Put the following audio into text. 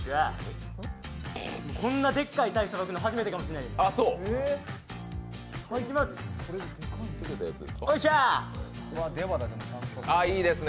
こんなでっかい鯛、さばくの初めてかもしれないです。